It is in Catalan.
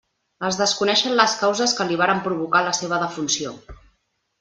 Es desconeixen les causes que li varen provocar la seva defunció.